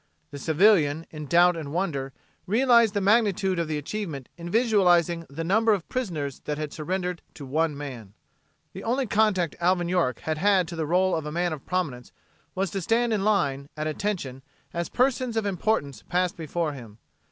The civilian, in doubt and wonder, realized the magnitude of the achievement in visualizing the number of prisoners that had surrendered to one man. The only contact Alvin York had had to the role of a man of prominence was to stand in line, at attention, as persons of importance passed before him.